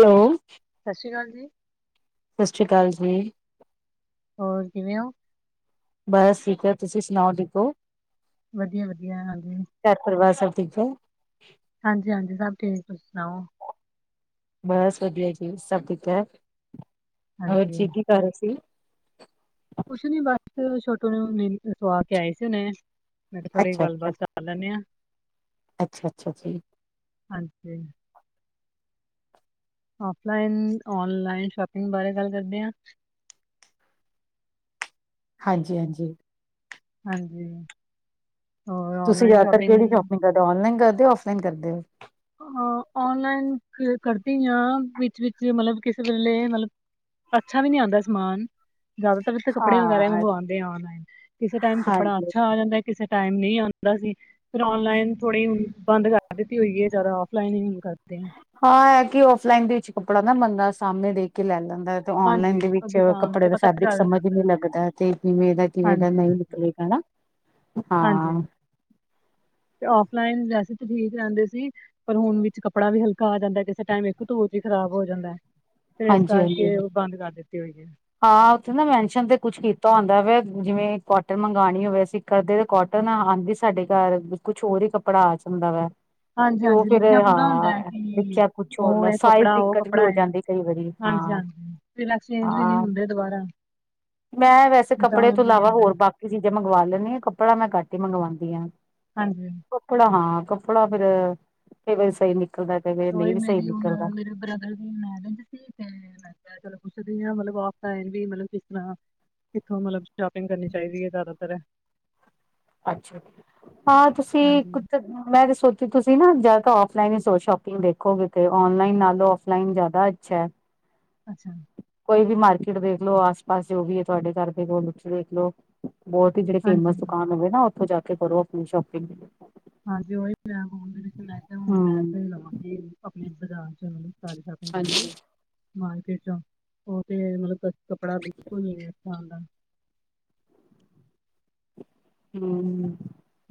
Hello. ਸਸ਼੍ਰੀ ਕਾਲ ਜੀ। ਸਸ਼੍ਰੀ ਕਾਲ ਜੀ। ਹੋਰ ਕਿਵੇਂ ਓ? ਬਾੱਸ ਠੀਕ ਆ, ਤੂਸੀ ਸੁਨਾਓ ਠੀਕ ਓ? ਵਦੀਆ-ਵਧੀਆ, ਹਾਂਜੀ। ਘਾਰ ਪਰਿਵਾਰ ਸਬ ਠੀਕ ਐ? ਹਾਂਜੀ-ਹਾਂਜੀ ਸਬ ਠੀਕ, ਤੂਸੀ ਸੁਨਾਓ? ਬਾੱਸ ਵਦੀਆ ਜੀ, ਸਬ ਠੀਕ ਐ, ਹੋਰ ਜੀ ਹਾਂਜੀ, ਕੀ ਕਾਰ ਰੇ ਸੀ? ਕੁੱਛ ਨੀ ਬਾੱਸ [unintelligible] ਸੁਵਾ ਕੇ ਆਏ ਸੀ ਹੁਨੇ, ਮੈਂ ਕੇਆ ਥੋੜੀ ਗਾੱਲਬਾਤ ਕਾ ਕਾਰ ਲੈਨੇ ਆ। ਅੱਛਾ-ਅੱਛਾ ਜੀ। ਹਾਂਜੀ। ਔਫਲਾਈਨ-ਔਨਲਾਈਨ ਸ਼ੋਪਿੰਗ ਬਾਰੇ ਗਾੱਲ ਕਰਨੇ ਆਂ। ਹਾਂਜੀ-ਹਾਂਜੀ। ਹਾਂਜੀ, ਹੋਰ ਔਨਲਾਈਨ ਸ਼ੋਪਿੰਗ ਜਾਦਾ ਔਨਲਾਈਨ ਕਰਦੇ ਓ, ਔਫਲਾਈਨ ਕਰਦੇ ਓ? ਅ ਔਨਲਾਈਨ ਕ ਕਰਦੀ ਆਂ ਵਿੱਚ-ਵਿੱਚ ਮਲਬ ਕਿਸੇ ਵੇਲੇ ਮਲਬ ਅੱਛਾ ਵੀ ਨੀ ਆਂਦਾ ਸਮਾਨ। ਜਾਦਾਤਰ ਕਪੜੇ ਵਗੈਰਾ ਈ ਹਾਂ ਮੰਗਵਾਂਦੇ ਆ ਔਨਲਾਈਨ, ਕਿਸੇ ਟੈਮ ਕੱਪੜਾ ਹਾਂਜੀ ਅੱਛਾ ਆ ਜਾਂਦੈ ਕਿਸੇ ਟਾਈਮ ਨੀ ਆਂਦਾ ਸੀ, ਫੇਰ ਔਨਲਾਈਨ ਥੋੜੀ ਹੂਨ ਬਾੰਦ ਕਾਰ ਦਿੱਤੀ ਹੋਈ ਏ ਜਾਦਾ ਔਫਲਾਈਨ ਈ ਕਰਤੇ ਐਂ। ਹਾਂ, ਐ-ਐ ਕਿ ਔਫਲਾਈਨ ਦੇ ਵਿੱਚ ਕੱਪੜਾ ਨਾ ਬੰਦਾ ਸਾਮਨੇ ਦੇਖ ਕੇ ਲੈ ਲੈਂਦੈ। ਤੇ ਔਨਲਾਈਨ ਹਾਂਜੀ ਦੇ ਉਹ ਵਿੱਚ ਦੁਕਾਨ 'ਤੇ ਕੱਪੜੇ ਦਾ ਪਤਾ ਫੈਬਰਿਕ ਚੱਲ ਸਮਜ ਈ ਜਾਂਦਾ ਨੀ ਹੈ। ਲੱਗਦੈ, ਤੇ ਕਿਵੇਂ ਦਾ, ਕਿਵੇਂ ਦਾ ਹਾਂਜੀ ਨਈ ਹਾਂਜੀ ਨਿਕਲੇਗਾ ਨਾ। ਹਾਂ। ਤੇ ਔਫਲਾਈਨ ਵੈਸੇ ਤੇ ਠੀਕ ਰੈਂਦੇ ਸੀ ਪਰ ਹੁਨ ਵਿੱਚ ਕੱਪੜਾ ਵੀ ਹਲਕਾ ਆ ਜਾਂਦੈ, ਕਿਸੇ ਟਾਈਮ ਇੱਕ ਧੋਅ ਚ ਈ ਖਰਾਬ ਹੋ ਜਾਂਦੈ। ਤੇ ਏਸ ਹਾਂਜੀ ਕਾਰਕੇ ਹਾਂਜੀ ਓ ਬਾੰਦ ਕਾਰ ਦਿੱਤੀ ਹੋਈ ਏ। ਹਾਂ ਉਥੇ ਨਾ ਮੈਨਸ਼ਨ ਤੇ ਕੁੱਛ ਕੀਤਾ ਹੋਂਦੈ, ਜਿਵੇਂ ਕੋਟਨ ਮੰਗਵਾਣੀ ਹੋਵੇ ਅਸੀ ਕਦੇ ਕੋਟਨ ਆਂਦੀ ਸਾਡੇ ਘਾਰ, ਕੁੱਛ ਹੋਰ ਈ ਕੱਪੜਾ ਆ ਜਾਂਦਾ ਵੈ। ਹਾਂਜੀ-ਹਾਂਜੀ ਲਿਖੇਆ ਪੂਰਾ ਹੁੰਦੈ, ਕਿ ਲਿਖਿਆ ਕੁਛ ਓ ਹੋਰ ਏ ਸਾਈਜ਼ ਕੱਪੜਾ, ਓ ਦਿੱਕਤ ਵੀ ਕੱਪੜਾ ਹੋ ਏ ਜਾਂਦੀ ਕਈ ਵਾਰੀ ਹਾਂ ਹਾਂਜੀ-ਹਾਂਜੀ ਫੇਰ ਐਕਸਚੇਂਜ ਵੀ ਨੀ ਹਾਂ ਹੁੰਦੇ ਦੁਬਾਰਾ। ਮੈਂ ਵੈਸੇ ਕੱਪੜੇ ਰਿਟਰਨ ਤੋਂ ਵੀ ਨਹੀਂ ਇਲਾਵਾ ਹੁੰਦੇ ਹੋਰ ਬਾਕੀ ਚੀਜ਼ਾਂ ਮੰਗਵਾ ਲੈਂਦੀ ਹਾਂ, ਕੱਪੜਾ ਮੈਂ ਘੱਟ ਹੀ ਮੰਗਵਾਉਂਦੀ ਹਾਂ। ਹਾਂਜੀ। ਕੱਪੜਾ ਹਾਂ ਕੱਪੜਾ ਫੇਰ, ਕਈ ਵਾਰੀ ਸਹੀ ਨਿਕਲਦਾ। ਕਈ ਵਾਰੀ ਨਹੀਂ ਉਹੀ ਵੀ ਸਹੀ ਮੇਰੀ ਹੁਣ ਨਿਕਲਦਾ ਮੇਰੇ ਬ੍ਰਦਰ ਦੀ ਮੈਰਿਜ ਸੀ। ਚਲੋ ਪੁੱਛਦੇ ਹਾਂ, ਮਤਲਬ ਫਨ ਵੀ ਮਤਲਬ ਕਿਸ ਤਰ੍ਹਾਂ ਕਿੱਥੋਂ ਮਤਲਬ ਸ਼ਾਪਿੰਗ ਕਰਨੀ ਚਾਹੀਦੀ ਹੈ, ਜ਼ਿਆਦਾਤਰ ਅੱਛਾ ਹਾਂ ਤੁਸੀਂ ਹਾਂਜੀ ਕੁ ਮੈਂ ਤਾਂ ਸੋ ਕਿ ਤੁਸੀਂ ਨਾ ਜਿਆਦਾ ਤਾਂ ਆਫਲਾਈਨ ਹੀ ਸ਼ੋਪਿੰਗ ਦੇਖੋਗੇ ਤੇ ਔਨਲਾਈਨ ਨਾਲੋਂ ਅਫਲਾਈਨ ਜ਼ਿਆਦਾ ਅੱਛਾ ਹੈ। ਅੱਛਾ। ਕੋਈ ਵੀ ਮਾਰਕੀਟ ਦੇਖਲੋ ਆਸ- ਪਾਸ ਜੋ ਵੀ ਹੈ ਤੁਹਾਡੇ ਘਰ ਦੇ ਗੋਲ ਦੇਖ ਲੋ ਬਹੁਤ ਹੀ ਜਿਹੜੇ ਹਾਂਜੀ ਫੇਮਸ ਦੁਕਾਨ ਹੋਵੇ ਨਾ ਉੱਥੋਂ ਜਾ ਕੇ ਕਰੋ ਆਪਣੀ ਸ਼ੋਪਿੰਗ ਹਾਂਜੀ ਉਹੀ ਮੈਂ ਬੋ ਮੈਂ ਹਮ। ਤੇ ਲਵਾਂਗੀ ਆਪਣੇ ਬਾਜ਼ਾਰ ਚ ਮਤ ਸਾਰੀ ਸ਼ੋਪਿੰਗ ਕਰਾਂਗੇ, ਹਾਂਜੀ ਮਾਰਕੀਟ ਚੋਂ ਉਹਥੇ ਮਤਲਬ ਕੱਪੜਾ ਬਿਲਕੁਲ ਮ ਹਾਂਦਾ ਹਮ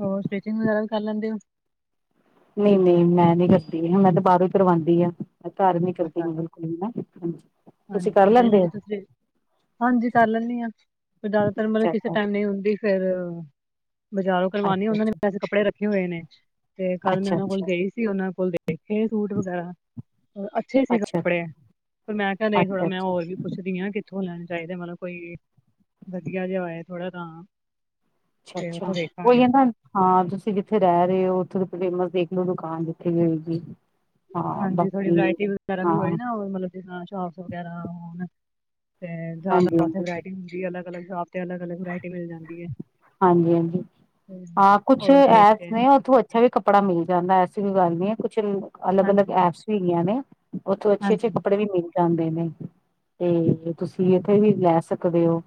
ਹੋਰ ਸਟਿਚਿੰਗ ਵਗੈਰਾ ਵੀ ਕਰ ਲੈਂਦੇ ਹੋ। ਨਹੀਂ -ਨਹੀਂ ਮੈਂ ਨੀ ਕਰਦੀ ਮੈਂ ਤੇ ਬਾਹਰੋਂ ਹੀ ਕਰਵਾਉਂਦੀ ਹਾਂ ਧਾਰਮਿਕ ਦੀ ਅੱਛਾ ਵਰਤੋਂ ਬਿਲਕੁਲ, ਤੁਸੀਂ ਕਰ ਹਾਂਜੀ ਨਹੀਂ ਮੈਂ ਲੈਂਦੇ ਹੋ। ਜਿੱਥੇ ਹਾਂਜੀ ਕਰ ਲੈਂਨੀ ਆ ਫ ਜ਼ਿਆਤਰ ਮਲਬ ਅੱਛਾ ਕਿਸੇ ਟਾਈਮ ਨਹੀਂ ਹੁੰਦੀ ਫੇਰ ਬਜ਼ਾਰੋਂ ਕਰਵਾਨੀ ਅੱਛਾ ਉਹਨਾਂ ਨੇ ਅੱਛਾ ਵੈਸੇ ਕੱਪੜੇ ਰੱਖੇ ਹੋਏ ਨੇ ਤੇ ਕੱਲ ਮੈਂ ਅੱਛਾ ਅੱਛਾ ਉਹਨਾਂ ਕੋਲ ਅੱਛਾ ਗਈ ਸੀ, ਉਹਨਾਂ ਕੋਲ ਦੇਖੇ ਸੂਟ ਵਗੈਰਾ ਅੱਛੇ ਸੀ ਅੱਛਾ ਕੱਪੜੇ ਪਰ ਮੈਂ ਕਿਹਾ ਨਹੀਂ ਥੋੜ੍ਹਾ ਅੱਛਾ ਮੈਂ ਅੱਛਾ ਹੋਰ ਵੀ ਪੁੱਛਦੀ ਆ ਕਿੱਥੋਂ ਲੈਣੇ ਚਾਹੀਦੇ, ਮਤਲਬ ਕੋਈ ਵਧੀਆ ਜਿਹਾ ਹੈਵੇ ਥੋੜ੍ਹਾ ਤਾਂ ਅੱਛਾ- ਤੇ ਉੱਥੋਂ ਅੱਛਾ ਕੋਈ ਦੇਖਾਂਗੇ ਕਦਾ ਆ। ਹਾਂ ਤੁਸੀਂ ਜਿੱਥੇ ਰਹਿ ਰਹੇ ਔ ਉੱਥੇ ਫੇਮਸ ਦੇਖ ਲਓ ਦੁਕਾਨ ਜਿੱਥੇ ਮਿਲ ਗਈ। ਹਾਂਜੀ ਥੋੜੀ ਵਰਾਇਟੀ ਵਗੈਰਾ ਹਾਂ ਵੀ ਹੋਏ ਨਾ ਮਤਲਬ ਜਾਂ ਸ਼ੋਪਸ ਵਗੈਰਾ ਹੋਣ ਤੇ ਜ਼ਿਆਦਾ ਉੱਥੇ ਹਾਂਜੀ-ਹਾਂਜੀ, ਵਰਾਇਟੀ ਹੁੰਦੀ ਅਲੱਗ ਮਤਲਬ ਸੋਪ ਤੇ ਅਲਗ ਹਿਸਾਬ ਤੇ ਅਲਗ- ਅਲੱਗ ਵਰਾਇਟੀ ਮਿਲ ਜਾਂਦੀ ਐ ਹਾਂਜੀ -ਹਾਂਜੀ ਐ ਕੁਛ ਉਹੀ ਦੇਖ ਕੇ ਐਪਸ ਨੇ ਉਥੌ ਅੱਛਾ ਵੀ ਕੱਪੜਾ ਮਿਲ ਜਾਂਦਾ, ਐਸੀ ਵੀ ਗੱਲ ਨੀ ਐ ਕੁਛ ਅਲੱਗ-ਅਲੱਗ ਹਾਂਜੀ ਐਪਸ ਵੀ ਹੈਗੀਆਂ ਨੇ ਉੱਥੌ ਅੱਛੇ- ਅੱਛੇ ਹਾਂਜੀ ਕੱਪੜੇ ਵੀ ਮਿਲਦੇ ਜਾਂਦੇ ਨੇ ਤੇ ਤੁਸੀਂ ਇੱਥੇ ਵੀ ਲੈ ਸਕਦੇ ਹੋ।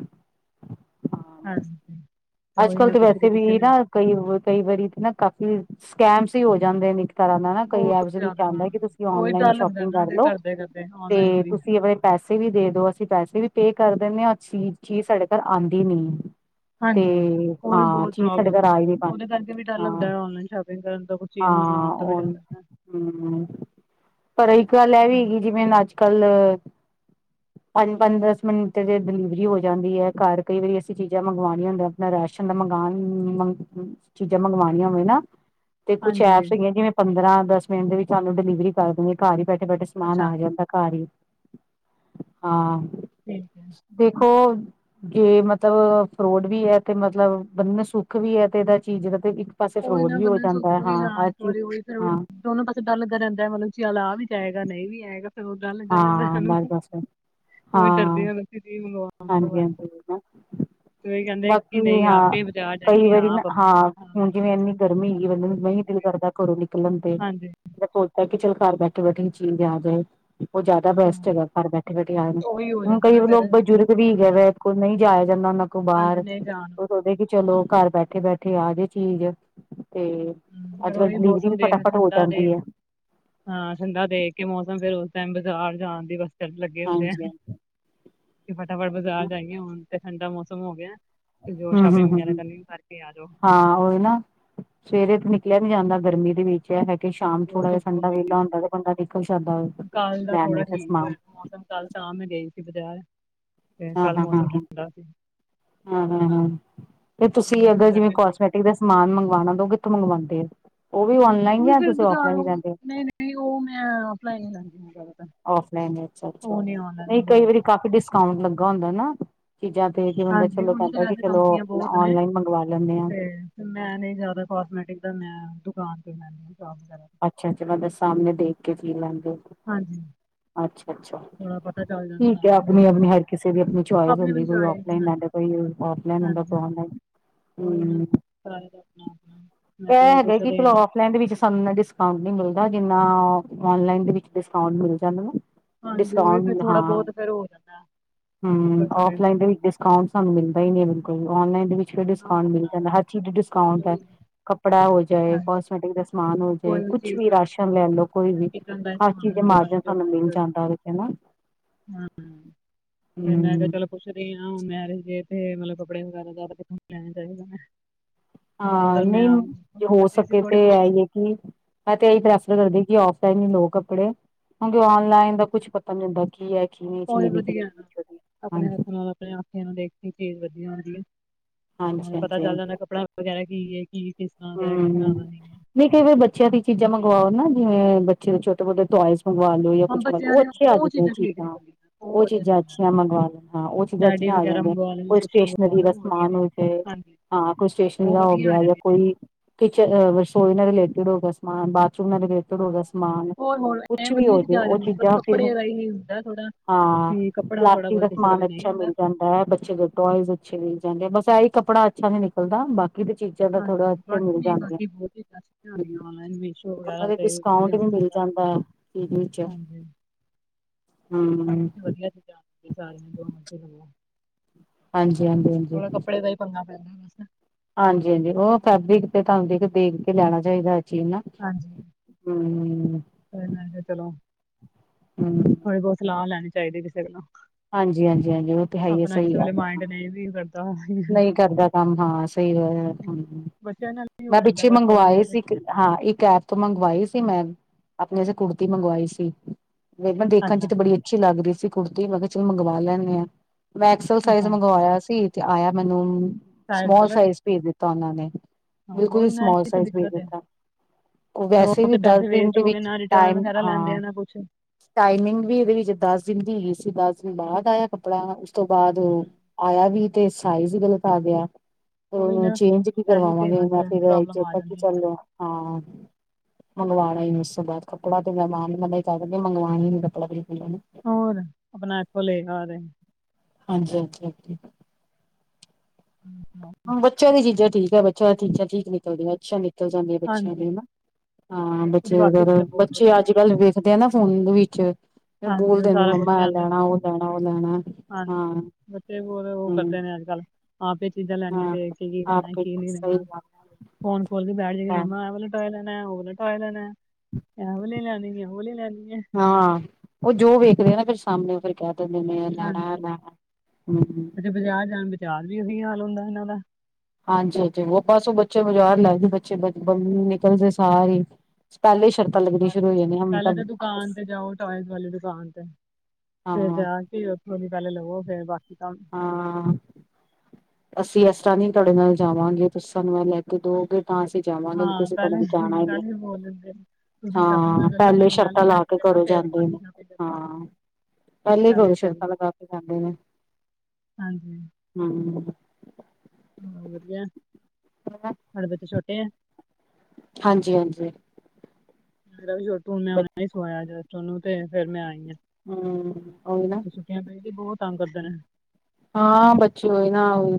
ਹਾਂ ਹਾਂਜੀ। ਅੱਜ- ਉਹੀ ਕੱਲ ਮੈਂ ਤੇ ਪੁੱਛ ਵੈਸੇ ਰਹੀ ਸੀ ਵੀ ਮੈਂ ਨਾ ਕਈ-ਕਈ ਵਾਰੀ ਤੇ ਨਾ ਕਾਫ਼ੀ ਸਕੈਮਸ ਈ ਹੋ ਜਾਂਦੇ ਨੇ ਤਰ੍ਹਾਂ ਦਾ ਨਾ ਕਈ ਬਹੁਤ ਐਪਸ ਵਿੱਚ ਜ਼ਿਆਦਾ ਹਾਂ ਆਦਾਂ ਕਿ ਤੁਸੀਂ ਉਹੀ ਡਰ ਔਨਲਾਈਨ ਲੱਗਦਾ ਸ਼ੋਪਿੰਗ ਨਾ ਫਿਰ ਕਰਲੋ ਕਰਦੇ ਕਰਦੇ ਤੇ ਔਨਲਾਈਨ ਵੀ ਤੁਸੀਂ ਵੇਅਰ ਪੈਸੇ ਵੀ ਦੇ ਦੋ ਅਸੀਂ ਪੈਸੇ ਵੀ ਪੇ ਕਰ ਦਿੰਦੇ ਹਾਂ ਅ ਚ ਚੀਜ਼ ਸਾਡੇ ਘਰ ਆਂਦੀ ਨੀ ਤੇ ਹਾਂਜੀ ਹੋ ਵੀ ਹਾਂ ਬਹੁਤ ਚੀਜ਼ ਸਾਡੇ ਪ੍ਰੋਬਲਮ ਘਰ ਆ ਹੈ, ਹੀ ਨੀ ਪਾਉਂਦੀ ਉਹਦੇ ਕਰਕੇ ਵੀ ਡਰ ਹਾਂ ਲੱਗਦਾ ਹੈ, ਔਨਲਾਈਨ ਸ਼ੋਪਿੰਗ ਕਰਨ ਦਾ ਤੌ ਚੀਜ਼ ਹਾਂ ਮੰਗਵਾਉਣ ਤੋਂ ਵੀ ਉਹ ਡਰ ਲੱਗਦਾ। ਹਮ ਪਰ ਇੱਕ ਗੱਲ ਇਹ ਹਾਂ ਵੀ ਹੈਗੀ ਜਿਵੇਂ ਅੱਜ -ਕੱਲ ਪੰਜ-ਪੰਜ ਦਸ ਮਿੰਟ ਦੇ ਡਿਲੀਵਰੀ ਹੋ ਜਾਂਦੀ ਹੈ, ਘਰ ਕਈ ਵਾਰੀ ਅਸੀਂ ਚੀਜ਼ਾਂ ਮੰਗਵਾਉਣੀਆਂ ਹੁੰਦੀਆ ਤਾ ਆਪਣਾ ਰਾਸ਼ਨ ਦਾ ਮੰਗਾਣ ਮ ਚੀਜ਼ਾਂ ਮੰਗਵਾਉਣੀਆਂ ਹੋਵੇ ਨਾ ਤੇ ਕੁੱਛ ਹਾਂਜੀ ਐਪਸ ਹੈਗੀਆਂ, ਜਿਵੇਂ ਪੰਦਰਾਂ ਦਸ ਮਿੰਟ ਦੇ ਵਿੱਚ ਤੁਹਾਨੂੰ ਡਿਲੀਵਰੀ ਕਰ ਦਿੰਦੇ ਘਰ ਹੀ ਬੈਠੇ -ਬੈਠੇ ਸਮਾਨ ਅੱਛਾ ਆ ਜਾਂਦਾ ਘਰ ਈ ਹੀ ਭੇਜ ਦੇਣ ਦੇਖੋਂ ਜੇ ਮੱਤਲਬ ਫਰੋਡ ਵੀ ਐਂ। ਤੇ ਮਤਲਬ ਬੰਦੇ ਨੂੰ ਸੁੱਖ ਵੀ ਐ ਤੇ, ਇਹਦਾ ਚੀਜ਼ ਦਾ ਤ ਉਹੀਂ ਨਾ ਬੰਦਾਂ ਚੁੱਪ ਵੀ, ਹਾਂ ਇੱਕ ਵਾਰੀ ਉਹੀਂ ਫ਼ਿਰ ਉਦ ਹਾਂ ਦੋਨੋ ਪਾਸੇ ਡਰ ਲੱਗਾ ਰਹਿੰਦਾਂ, ਮੱਤਲਬ ਚੱਲ ਆ ਵੀ ਜਾਏਂਗਾ ਨਹੀਂ ਵੀ ਆਏਂਗਾ। ਤੇ ਉਹ ਡਰ ਲੱਗਾ ਰਹਿੰਦਾ ਹਾਂ ਉਹਨੂੰ। ਬਸ ਬਸ ਉਵੀ ਡਰਦੇ ਹਾਂ ਆ ਅਸੀਂ ਚੀਜ਼ ਮੰਗਵਾਉਣ ਤੋਂ ਹਾਂਜੀ ਦੁਬਾਰਾ। ਹਾਂਜੀ ਤਾਹੀ ਕਹਿੰਦੇ ਕਿ ਬਾਕੀ ਨਹੀਂ ਹਾਂ ਆਪੇ ਬਜ਼ਾਰ ਜਾਈਏ ਆਪ ਆਪਣੇਂ ਹੱਥਾਂ ਨਾਲ਼ ਲੈ ਫ਼ੇਰ ਕੇ ਇੰਨੀ ਆਈਏ ਗਰਮੀਂ ਹੈਗੀ ਤੇ ਬੰਦੇ ਨੂੰ ਉਹੀ ਨਹੀ ਦਿਲ ਠੀਕ ਹੈ ਕਰਦਾਂ ਘਰੋਂ ਨਿਕਲਣ ਤੇ, ਹਾਂਜੀ ਬਿਲਕੁੱਲ ਐ ਕਿ ਚਲੋ ਘਰ ਬੈਠੇ- ਬੈਠੇ ਨੂੰ ਚੀਜ਼ ਆ ਜਾਏਂ। ਉਹ ਜ਼ਿਆਦਾ ਬੈਸਟ ਹਾਂ ਹੈਗਾ, ਘਰ ਬੈਠੇ -ਬੈਠੇ ਆਏਂ ਉਹੀ ਹੋ ਹੁਣ ਜਾਂਦਾ ਨਾ ਕਈ ਫੇਰ ਲੋਕ ਬਜ਼ੁਰਗ ਵੀ ਆਪਣੇ ਹੈਗੇ ਆਪ ਵੇ, ਉਹਕੋ ਨਹੀਂ ਜਾਇਆਂ ਜਾਂਦਾ ਉਹਨਾਂ ਕੋ ਹਾਂਜੀ ਬਾਹਰ। ਨਹੀਂ ਜਾਣ ਕਹਿੰਦੇ ਕਿ ਚਲੋਂ ਘਰ ਬੈਠੇ- ਬੈਠੇ ਆਜੇ ਚੀਜ਼, ਤੇ ਹੂੰ ਫੇਰ ਅੱਜ- ਕੱਲ ਉਹੀ ਡਿਲੀਵਰੀ ਵੀ ਮੌਸਮ ਦੇਖ ਫਟਾਫੱਟ ਹੋ ਠੰਡਾ ਦੇ ਜਾਂਦੀ ਐਂ। ਹਾਂ ਠੰਡਾ ਦੇਖ਼ ਕੇ ਮੌਸਮ ਫਿਰ ਉਸ ਟੈਮ ਬਾਜ਼ਾਰ ਜਾਂਣ ਦੀ ਵਸ ਤਰਪ ਲੱਗੇ ਹੁੰਦੇ ਐ। ਹਾਂਜੀ ਹਾਂਜੀ। ਕਿ ਫਟਾਫੱਟ ਬਾਜ਼ਾਰ ਹਮ ਜਾਈਏ, ਹੁਣ ਤੇ ਠੰਡਾ ਮੌਸਮ ਹੋ ਗਿਆਂ। ਜੋ ਹਮ ਹਮ ਸ਼ੋਪਿੰਗ ਵਗ਼ੈਰਾ ਹਮ ਕਰਨੀਂ ਕਰਕੇ ਆ ਜਓ। ਹਾਂ ਉਹ ਨਾ ਸਵੇਰੇ ਤੇ ਨਿਕਲ਼ਿਆ ਨੀਂ ਜਾਂਦਾ ਗਰਮੀਂ ਦੇ ਵਿੱਚ ਜੀਹਦਾ ਕਰਕੇ ਸ਼ਾਮ ਨੂੰ ਬਹੁਤ ਥੋੜਾਂ ਜਿਹਾਂ ਧੁੱਪ ਠੰਡਾ ਹੁੰਦੀ ਵਿਹਲਾ ਹੁੰਦਾਂ ਤੇ ਬੰਦਾਂ ਨਿਕਲ਼ ਜਾਂਦਾ ਏਂ, ਕੱਲ ਦਾ ਲੈਣ ਥੋੜਾ ਵਾਸਤੇ ਠੀਕ ਸਮਾਂਨ। ਹੋਇਆ ਮੌਸਮ ਕੱਲ ਤਾਂ ਮੈਂ ਗਈਂ ਸੀ ਬਜ਼ਾਰ। ਹੂੰ -ਹੂੰ- ਹੂੰ, ਹੂੰ-ਹੂੰ ਤੇ ਤੁਸੀਂ ਮੈਂ ਤਾਂ ਅਗਰ ਜਿਵੇਂ ਗਰਮੀ ਬਹੁਤ ਕੋਸਮੈਟ -ਟਿਕ ਦਾ ਸਮਾਂਨ ਮੰਗਵਾਉਣਾ ਹੁੰਦਾਂ, ਉਹ ਕਿੱਥੋਂ ਮੰਗਵਾਉਂਦੇ ਓ, ਉਹ ਵੀ ਔਨਲਾਈਨ ਉਹੀ ਜਾਂ ਫੇਰ ਤੁਸੀਂ ਔਫਲਾਈਨ ਬਾਜ਼ਾਰੋਂ ਹੀ ਕਰਦੇ ਓ। ਨਹੀਂ ਨਹੀਂ ਉਹ ਮੈਂ ਔਫਲਾਇਨ ਕਰਦੀਂ ਆ। ਔਫਲਾਈਨ ਅੱਛਾ- ਅੱਛਾ ਨਹੀਂ ਕਈ ਵਾਰੀਂ ਕਾਫ਼ੀ ਡਿਸਕਾਉਂਟ ਲੱਗਾਂ ਹੁੰਦਾ ਨਾ। ਚੀਜ਼ਾਂ ਤੇ ਕੀ ਬੰਦਾਂ ਹਾਂਜੀ ਚਲੋਂ ਉਂਝ ਤਾਂ ਕਹਿੰਦਾਂ ਕਿ ਵੈਸੇ ਚਲੋ ਕੰਪਨੀਆਂ ਬਹੁਤ ਨੇ ਆਨਲਾਈਨ ਮੰਗਵਾ ਲੈਨੇਂ ਆ। ਤੇ ਮੈਂ ਨਹੀਂ ਜ਼ਿਆਦਾ ਕਾਸਮੈਟਿਕ ਦਾ ਮੈਂ ਦੁਕਾਨ ਤੇ ਲੈਂਦੀ ਹਾਂ ਸ਼ਾਬ ਵਗ਼ੈਰਾ। ਅੱਛਾ ਚਲਾ ਦਾ ਸਾਹਮਣੇ ਦੇਖ ਕੇ ਕੀ ਚੀਜ਼ ਲੈਂਣੀ ਚਾਹੀਂਦੀ। ਹਾਂਜੀ। ਅੱਛਾ -ਅੱਛਾ ਠੀਕ ਥੋੜਾ ਪਤਾ ਚੱਲ ਜਾਂਦਾ ਹੈਂ, ਨਾਲੇ ਤੇ ਆਪਣੀਂ ਫਿਰ -ਆਪਣੀਂ ਹਰ ਕਿਸ਼ੇ ਦੀ ਆਪ ਚਾਇਸ ਆਪਣੇ ਹੁੰਦੀ ਵੀ ਕੋਈ ਚਾਹੀਦੇ ਔਫਲਾਈਨ ਹਨ ਲੈਂਦਾ। ਕੋਈ ਔਫਲਾਈਨ ਲੈਂਦਾ ਹਾਂਜੀ ਕੋਈ ਹਾਂ ਔਨਲਾਈਨ। ਕੋਈ ਨੀ ਹੂੰ ਕਰਾਏ ਦਾ ਆਪਣਾਂ -ਆਪਣਾਂ, ਮੈਂ ਤਾਂਹੀ ਪੁੱਛ ਦੇ ਆ। ਦੁਕਾਨ ਦੇ ਵਿੱਚ ਸਾਨੂੰ ਏਨਾਂ ਡਿਸਕਾਉਂਟ ਨੀ ਮਿਲਦਾ, ਜਿੰਨਾਂ ਔਨਲਾਈਨ ਦੇ ਵਿੱਚ ਡਿਸਕਾਉਂਟ ਮਿਲ਼ ਜਾਂਦਾ ਨਾਂ ਹਾਂਜੀ ਉਹੀ ਫਿਰ ਡਿਸਕਾਉਂਟ ਥੋੜਾ ਹਾਂ, ਬਹੁਤ ਫਿਰ ਹੋ ਜਾਂਦਾ ਹੂੰ ਉੱਪਰ ਥੱਲੇ ਮਤਲਬ ਔਫਲਾਈਨ ਦੇ ਵਿੱਚ ਡਿਸ -ਕਾਉਟ ਸਾਨੂੰ ਮਿਲ਼ਦਾ ਹੀ ਨੀਂ ਬਿਲਕੁੱਲ ਵੀ, ਔਨਲਾਈਨ ਦੇ ਵਿ ਚ ਨਾ ਡਿਸਕਾਉਂਟ ਮਿਲ਼ ਨਾ ਜਾਂਦਾ, ਹਰ ਚੀਜ਼ ਤੇ ਡਿਸਕਾਊਂਟ ਬਿਲਕੁਲ ਆ ਵੀ ਨਹੀਂ ਕੱਪੜਾਂ ਹੋ ਜਾਏਂ, ਹਾਂਜੀ ਕਾਸਮੈਟਿਕ ਦਾ ਸ ਸਮਾਨ ਹੋ ਜਾਏਂ। ਕੋਈ ਵੀ ਕਿਚਨ ਦਾ ਹਰ ਚੀਜ਼ ਦੇ ਸਮਾਨ ਮਾਰਜਨ ਸਾਨੂੰ ਮਿਲ ਵਗ਼ੈਰਾ [unintelligible] ਜਾਂਦਾ ਉਹਦੇ ਚ ਨਾ ਹੂੰ ਮੈਂ ਕਿਹਾਂ ਹੂੰ ਚਲੋਂ। ਪੁੱਛਦੇ ਆ ਮੈਰਿਜ ਦੇ ਤੇ ਮੱਤਲਬ ਕੱਪੜੇ ਵਗ਼ੈਰਾ ਜ਼ਿਆਦਾ ਦੇਖੋਂ ਲੈਣੇ ਚਾਹੀਦੇ ਨੇ। ਹਾਂ, ਨਹੀਂ ਹੋ ਕਰਦੀ ਸੀ ਸਕੇ ਥੋੜੀ ਤੇ ਬਹੁਤ ਆਈਏਂ। ਮੈਂ ਤੇ ਇਹੀ ਪ੍ਰੈਫਰ ਕਰਦੀਂ ਕਿ ਔਫਲਾਈਨ ਹੀ ਲਓ ਕੱਪੜੇ ਕਿਉਂਕਿ ਔਨਲਾਈਨ ਦਾ ਕੁੱਛ ਪਤਾ ਨੀ ਹੁੰਦਾ ਕੀ ਹੈ ਕੀ ਨਹੀਂ ਭਾਵੇਂ ਚੀਜ਼ ਵਧੀਆਂ ਨਿਕਲੇਗੀ ਨਾ ਵਿੱਚੋਂ ਦੀ ਆਪਣੇ ਹਾਂਜੀ ਹੱਥ ਨਾਲ ਆਪਣੇ ਅਖੀਆਂ ਨਾਲ਼ ਦੇਖ ਕੇ ਚੀਜ਼ ਵਧੀਆਂ ਹੁੰਦੀ ਏਂ, ਨਾਲ਼ੇ ਹਾਂਜੀ ਪਤਾਂ ਹਾਂਜੀ ਚੱਲ ਜਾਂਦਾ ਕੱਪੜਾ ਵਗ਼ੈਰਾ ਕੀ ਹੈ ਕੀ ਤਰ੍ਹਾਂ ਦਾ ਹੈ ਕਿਸ ਤਰ੍ਹਾਂ ਦਾ ਹੂੰ, ਹੈ ਨਹੀਂ ਕਈ ਵਾਰੀਂ ਬੱਚਿਆਂ ਦੀ ਚੀਜ਼ਾਂ ਮੰਗਵਾਓ ਨਾ ਜਿਵੇਂ ਬੱਚੇ ਦੇ ਛੋਟੇ ਮੋਟੇ ਟੋਇਜ। ਮੰਗਵਾ ਲੋ ਜਾਂ ਹੁਣ ਕੁੱਛ ਮੰਨ ਲੋ ਬੱਚਿਆਂ ਉਹ ਦੀਆਂ ਅੱਛੇ ਆ ਜਾਂਦੇ ਠੀਕ ਚੀਜ਼ਾਂ, ਨਿਕਲਦੀਆਂ ਉਹ ਵਧੀਆ ਚੀਜ਼ਾਂ ਨਿਕਲਦੀਆਂ ਅੱਛੀਆਂ ਮੰਗਵਾ ਲੈ ਹਾਂ ਉਹ ਚੀਜ਼ਾਂ ਟੈਡੀ ਅੱਛੀਆਂ ਆ ਵਗੈਰਾ ਜਾਂਦੀਆਂ ਮੰਗਵਾ ਲਓ ਕੋਈ ਕੁਛ ਮੰਗਵਾ ਸਟੇਸ਼ਨਰੀ ਦਾ ਲਓ ਉਹ ਵਧੀਆ ਸਮਾਨ ਨੇ ਹੋ ਜਏ ਹਾਂਜੀ ਹਾਂ ਕੋਈ ਸਟੇਸ਼ਨਰੀ ਉਹ ਦਾ ਹੋ ਵਧੀਆ ਆ ਗਿਆ ਜਾਂ ਜਾਂਦੀਆਂ ਕੋਈ ਕਿਚਨ ਰਸੋਈ ਨਾਲ ਰਿਲੇਟੇਡ ਹੋ ਗਿਆ ਸਮਾਨ ਬਾਥਰੂਮ ਨਾਲ ਰਿਲੇਟ ਰਿਲੇਟਡ ਹੋ ਹਾਂ ਗਿਆ ਸਮਾਨ ਹੋਰ ਹੋਰ ਐ ਕੁਛ ਵੀ ਵਧੀਆ ਹੋ ਜੇ ਚੀਜ਼ਾਂ ਆ ਉਹ ਜਾਂਦੀਆਂ ਬਸ ਚੀਜ਼ਾਂ ਫਿਰ ਕੱਪੜੇ ਦਾ ਹੀ ਹੁੰਦਾ ਥੋੜਾ ਹਾਂ ਕਿ ਕੱਪੜਾ ਥੋੜਾ ਪਲਾਸਟਿਕ ਬਹੁਤ ਦਾ ਕਿਸੇ ਸਮਾਨ ਵੇਲੇ ਨਹੀਂ ਅੱਛਾ ਮਿਲ ਹੁੰਦਾ ਜਾਂਦਾ ਹੈ ਬੱਚੇ ਦੇ ਟੋਆਇਜ਼ ਅੱਛੇ ਮਿਲ ਜਾਂਦੇ ਬਸ ਐਹੀ ਕੱਪੜਾ ਅੱਛਾ ਨੀ ਨਿਕਲਦਾ ਬਾਕੀ ਤੇ ਚੀਜ਼ ਹਾਂਜੀ ਬਸ ਨਹੀਂ ਬਾਕੀ ਬਹੁਤ ਚ ਹੂੰ, ਆਉ ਆਨਲਾਈਨ ਮੀਸ਼ੋ ਵਗੈਰਾ ਤੇ ਵਧੀਆ ਆਉਦਾ ਪੀ ਲਈ ਚਾਹ ਬਾਕੀ ਤਾਂ ਵਧੀਆ ਸੀਗਾ ਸਾਰੀਆਂ ਦੀ ਜੋ ਮਰਜ਼ ਹੋ ਹਾਂਜੀ ਹਾਂਜੀ ਹਾਂਜੀ ਥੋੜਾ ਕੱਪੜੇ ਦਾ ਹੀ ਪੰਗਾ ਪੈਂਦਾ ਬਸ ਹਾਂਜੀ ਹਾਂਜੀ ਉਹ ਫੈਬਰਿਕ ਤੇ ਤੁਹਾਨੂੰ ਦੇਖ ਦੇਖ ਕੇ ਲੈਣਾ ਚਾਹੀਦਾ ਹੈ ਚੀਜ਼ ਨਾ ਹਾਂਜੀ ਹੂੰ ਫਿਰ ਮੈਂ ਕਿਹਾ ਚਲੋ ਹੂੰ ਥੋੜ੍ਹੀ ਬਹੁਤ ਸਲਾਹ ਲੈਣੀ ਚਾਹੀਦੀ ਕਿਸੇ ਵੱਲੋਂ ਹਾਂਜੀ ਹਾਂਜੀ ਹਾਂਜੀ ਉਹ ਤਾਂ ਹੈ ਹੀ ਹੈ ਸਹੀ ਗੱਲ ਏ ਤੇ ਏ ਵੀ ਕਰਦਾ ਨਹੀਂ ਕਰਦਾ ਕੰਮ ਹਾਂ ਸਹੀ ਹੈ ਬੱਚਿਆਂ ਨਾਲ ਹੀ ਹੋ ਮੈਂ ਜਾਂਦਾ ਪਿੱਛੇ ਬਸ ਥੋੜਾ ਮੰਗਵਾਏ ਬਹੁਤ ਸੀ ਹਾਂ ਇੱਕ ਐਪ ਤੋਂ ਮੰਗਵਾਈ ਸੀ ਮੈਂ ਆਪਣੇ ਵਾਸਤੇ ਕੁੜਤੀ ਮੰਗਵਾਈ ਸੀ ਮੇ ਮੈਂ ਦੇਖਣ ਚ ਅੱਛਾ ਤੇ ਬੜੀ ਅੱਛੀ ਲੱਗ ਰਹੀ ਸੀ ਕੁੜਤੀ ਮੈਂ ਕਿਹਾ ਚਲ ਮੰਗਵਾ ਲੈਂਦੇ ਆ ਮੈਂ ਐਕਸਲ ਸਾਈਜ਼ ਅੱਛਾ ਮੰਗਵਾਇਆ ਸੀ ਤੇ ਆਇਆ ਮੈਨੂੰ ਸਾਇਦ ਸਮੋਲ ਗਲਤ ਸਾਈਜ਼ ਭੇਜ ਦਿੱਤਾ ਉਹਨਾਂ ਨੇ ਹਾਂ ਬਿਲਕੁਲ ਹੀ ਉਹੀ ਨਾ ਸਮਾਲ ਇਹ ਤਾਂ ਸਾਈਜ਼ ਭੇਜ ਦਿੱਕਤ ਹੈ ਦਿੱਤਾ ਉਹ ਫਿਰ ਵੈਸੇ ਵੀ ਤੇ ਦਸ ਪੈਸੇ ਦਿਨ ਵੇਸਟ ਦੇ ਹੋ ਗਏ ਵਿੱਚ ਨਾ ਰਿਟਰਨ ਟਾਈਮ ਵਗੈਰਾ ਲੈਂਦੇ ਹਾਂ ਆ ਨਾ ਕੁਛ ਟਾਈਮਿੰਗ ਵੀ ਸੀ ਵਿੱਚ ਦਸ ਦਿਨ ਦੀ ਹੀਗੀ ਸੀ ਦਸ ਦਿਨ ਬਾਅਦ ਆਇਆ ਕੱਪੜਾ ਵੀ ਉਸ ਤੋਂ ਬਾਅਦ ਉਹ ਆਇਆ ਵੀ ਤੇ ਸਾਈਜ਼ ਗਲਤ ਆ ਗਿਆ ਉਹੀ ਉਹਨੂੰ ਨਾ ਚੇਂਜ ਕੀ ਇਹੀ ਤੇ ਕਰਵਾਵਾਂਗੇ ਬਸ ਮੈਂ ਫਿਰ ਏਹਿ ਪ੍ਰੋਬਲਮ ਆ ਕੀ ਜਾਂਦੀ ਹੈ ਚੱਲ ਹਾਂ ਮੰਗਵਾਣਾ ਹੀ ਨੀ ਉਸ ਤੋਂ ਬਾਅਦ ਕੱਪੜਾ ਤੇ ਮੈਂ ਮਾਂ ਨੂੰ ਮਨਾ ਕਰ ਮੰਗਵਾਉਣਾ ਹੀ ਕੱਪੜਾ ਹੋਰ ਆਪਣਾ ਏਥੋਂ ਲੇਗਾ ਉਰੇ ਹਾਂਜੀ ਹਾਂਜੀ ਹਾਂਜੀ ਹਾਂ, ਬੱਚਿਆਂ ਦੀ ਚੀਜ਼ਾਂ ਠੀਕ ਏ ਬੱਚਿਆਂ ਦੀ ਚੀਜ਼ਾਂ ਠੀਕ ਨਿਕਲਦੀਆਂ, ਅੱਛੀਆ ਨੇ ਨਿਕਲ ਜਾਂਦੀਆਂ ਬੱਚਿਆਂ ਹਾਂਜੀ ਦੀ ਨਾ। ਹਾਂ ਉਹ ਤੇ ਬੱਚੇ ਬਾਕੀ ਵਗੈਰਾ, ਚੀਜ਼ਾਂ ਬਹੁਤ ਬੱਚੇ ਵਧੀਆ ਅੱਜ ਕੱਲ ਵੇਖ ਦੇ ਆ ਨਾ ਫੋਨ ਵਿੱਚ ਫੇਰ ਹਾਂਜੀ ਉਹ ਬੋਲਦੇ ਨੇ, ਸਾਰਾ ਕੁਝ ਮੰਮਾ ਏ ਕਹਿੰਦੇ ਲੈਣਾ, ਨੇ ਉਹ ਲੈਣਾ, ਉਹ ਲੈਣਾ ਹਾਂਜੀ, ਹਾਂ ਬੱਚੇ ਬਹੁਤ ਉਹ ਹਮ ਕਰਦੇ ਨੇ ਅੱਜ ਕੱਲ੍ਹ ਆਪ ਇਹ ਚੀਜ਼ਾਂ ਲੈਣੀਆਂ ਹਾਂ ਦੇਖ ਕੇ ਕੀ ਲੈਣਾ ਆਪੇ ਕੀ ਨਹੀਂ ਸਹੀ ਲੈਣਾ ਗੱਲ ਫੋਨ ਖੋਲ ਕੇ ਬੈ ਜਾਏਗੇ ਹੈ ਮੰਮਾ ਐ ਵ ਟੋਆਏ ਲੈਣਾ ਉਹ ਟੋਆਏ ਲੈਣਾ ਐ ਵਾਲੀ ਲੈਣੀ ਉਹ ਵਾਲੀ ਲੈਣੀ ਆ ਹਾਂ ਉਹ ਜੋ ਵੇਖਦੇ ਆ ਨਾ ਫਿਰ ਸਾਹਮਣੇ ਫਿਰ ਕਹਿ ਦਿੰਦੇ ਨੇ ਮੈਂ ਇਹ ਲੈਣਾ ਮੈਂ ਉਹ ਲੈਣਾ ਤੇ ਬਾਜ਼ਾਰ ਜਾਣ ਬਾਜ਼ਾਰ ਵੀ ਉਹੀ ਹਾਲ ਹੁੰਦਾ ਇਹਨਾਂ ਦਾ ਹਾਂਜੀ ਹਾਂਜੀ ਉਹ ਬਸ ਉਹ ਬੱਚੇ ਬਾਜ਼ਾਰ ਲੈਦੇ ਬੱਚੇ ਨਿਕਲਦੇ ਸਾਰ ਹੀ ਪਹਿਲੇ ਹੀ ਸ਼ਰਤਾਂ ਲੱਗੀਆਂ ਸ਼ੁਰੂ ਹੋ ਜਾਦੀਆਂ ਮੈਂ ਤਾਂ ਬਸ ਟੋਆਏ ਵਾਲੀ ਦੁਕਾਨ ਤੇ ਫੇਰ ਹਾਂ ਜਾ ਕੇ ਉਥੋਂ ਦੀ ਪਹਿਲੇ ਲਵੋ ਫੇਰ ਬਾਕੀ ਤਾਂ ਹਾਂ ਅਸੀਂ ਇਸ ਤਰ੍ਹਾਂ ਨੀ ਤੁਹਾੜੇ ਨਾਲ ਜਾਵਾਂਗੇ ਤੁਸੀਂ ਸਾਨੂੰ ਏਹ ਲੈ ਕੇ ਦਉਗੇ ਤਾਂ ਅਸੀਂ ਜਾਵਾਂਗੇ ਨੀ ਤੇ ਹਾਂ ਅਸੀਂ ਪਹਿਲੇ ਜਾਣਾ ਹੀ ਨਹੀਂ ਪਹਿਲੇ ਬੋਲ ਦਿੰਦੇ ਨੇ ਤੁਸੀਂ ਸ਼ਾਪਿੰਗ ਹਾਂ ਕਰਨ ਚੱਲਿਓ ਪਹਿਲੇ ਮੈਨੂੰ ਇਹ ਸ਼ਰਤਾਂ ਲੈ ਲਾ ਕੇ ਦੇਣਾ ਘਰੋਂ ਫਿਰ ਜਾਂਦੇ ਬਾਕੀ ਨੇ ਸ਼ਾਪਿੰਗ ਕਰਨਾ ਹਾਂ ਪਹਿਲੇ ਗਲੋ ਸ਼ਰਤਾਂ ਲਗਾ ਕੇ ਜਾਂਦੇ ਨੇ ਹਾਂਜੀ ਹਮ ਹਾਂ ਵਧੀਆ ਤੁਹਾਡੇ ਬੱਚੇ ਛੋਟੇ ਹੈ ਹਾਂਜੀ ਹਾਂਜੀ ਮੇਰਾ ਵੀ ਛੋਟੂ ਹੁਣੇ ਸਵਾਇਆ ਜਨੂੰ ਤੇ ਫੇਰ ਮੈਂ ਆਈ ਹਾਂ ਹਮ ਉਹੀ ਨਾ [unintelligible] ਵੀ ਬਹੁਤ ਤੰਗ ਕਰਦੇ ਨੇ ਹਾਂ ਬੱਚੀ ਹੋਈ ਨਾ ਹੋਈ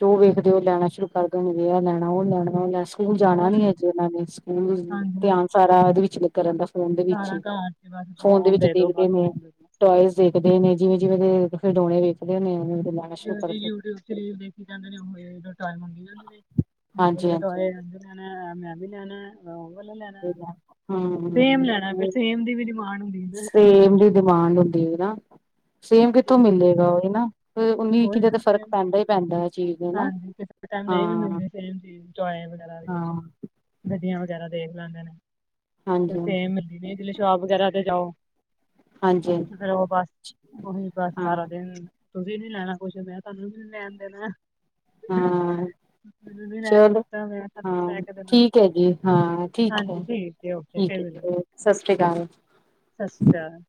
ਜੋ ਵੇਖਦੇ ਉਹ ਲੈਣਾ ਸ਼ੁਰੂ ਕਰ ਦੇਣਗੇ ਐਹ ਲੈਣਾ ਉਹ ਲੈਣਾ ਉਹ ਲੈ ਸਕੂਲ ਜਾਣਾ ਹੋਰ ਨੀ ਅਜੇ ਇਹਨਾਂ ਨੇ, ਸਕੂਲ ਹਾਂਜੀ ਹਾਂਜੀ ਧਿਆਨ ਸਾਰਾ ਇਹਦੇ ਵਿੱਚ ਲਗਾ ਰਹਿੰਦਾ ਫੋਨ ਦੇ ਵਿੱਚ ਸਾਰਾ ਹੀ, ਘਰ ਚ ਬਸ ਫੋਨ ਦੇ ਵਿੱਚ ਦੋ ਬਸ ਦੇਖਦੇ ਨੇ ਫੋਨ ਦੇ ਦੋ ਟੋਇਸ ਦੇੇਖਦੇ ਨੇ ਜਿਵੇਂ- ਜਿਵੇਂ ਦੇ ਖਿਡੋਣੇ ਵੇਖਦੇ ਨੇ ਉਹਦੇ ਨਾਲ ਯੂਟਿਊਬ 'ਚ ਦੇਖੀ ਜਾਂਦੇ ਨੇ ਉਹ ਟੋਏ ਮੰਗੀ ਜਾਂਦੇ ਹਾਂਜੀ ਨੇਲ ਹਾਂਜੀ ਟੋਏ ਜਾਂ ਲੈਣਾ ਮੈਂ ਵੀ ਲੈਣਾ ਹਾਂ ਉਹ ਵਾਲਾ ਲੈਣਾ ਹਾਂਜੀ ਸੇਮ ਲੈਣਾ ਫੇਰ ਹੂੰ ਸੇਮ ਦੀ ਵੀ ਮਾਣ ਹੁੰਦੀ ਕੁਲਵਿੰਦਰ ਡਿਮਾਂਡ ਹੁੰਦੀ ਏ ਨਾ ਸੇਮ ਕਿੱਥੋਂ ਮਿਲੇਗਾ ਨਾ ਉਹੀ ਨਾ, ਫੇਰ ਉਨੀ ਇਕੀ ਉਹੀ ਦਾਂ ਤੇ ਨਾ ਫ਼ਰਕ ਸੇਮ ਪੈਂਦਾ ਹੀ ਪੈਂਦਾ ਚੀਜ਼ ਨੂੰ ਨਾ ਹਾਂਜੀ ਕਿਸੇ ਟਾਈਮ ਨਹੀਂ ਵੀ ਹਾਂ ਮਿਲਦੇ ਫਿਰ ਅਸੀ ਟੋਇਸ ਵਗੈਰਾ ਦੇ ਵਿੱਚ ਹਾਂ ਗੱਡੀਆਂ ਵਗੈਰਾ ਦੇਖ ਲੈਂਦੇ ਨੇ ਫੇਰ ਹਾਂਜੀ ਹਾਂਜੀ ਸੇਮ ਮਿਲ ਸ਼ੋਪ ਵਗੈਰਾ ਤੇ ਜਾਓ ਹਾਂਜੀ ਹਾਂਜੀ ਫੇਰ ਉਹ ਬਸ ਉਹੀ ਬਸ ਹਾਂ ਸਾਰਾ ਦਿਨ ਤੁਸੀਂ ਨੀ ਲੈਣਾ ਕੁਛ, ਮੈਂ ਤੁਹਾਨੂੰ ਨੀ ਲੈਣ ਦੇਣਾ ਹਾਂ ਮੈਨੂੰ ਨੀ ਲੈ ਕੇ ਚਲੋ ਦਿੱਤਾ ਮੈਂ ਤੁਹਾਨੂੰ ਨੀ ਲੈ ਹਾਂ ਕੇ ਦੇਣਾ ਠੀਕ ਹੈ ਜੀ ਹਾਂ ਠੀਕ ਹਾਂਜੀ ਹੈ ਜੇ ਓਕੇ ਠੀਕ ਹੈ ਸਸ੍ਰੀ ਅਕਾਲ ਸੱਸਰੀ ਕਾਲ